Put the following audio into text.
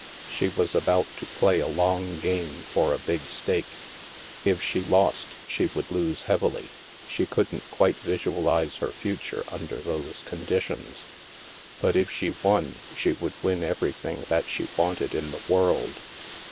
's She was about to play a long game for a big stake. If she lost, she would lose heavily; she couldn't quite visualize her future under those conditions. But if she won, she would win everything that she wanted in the world.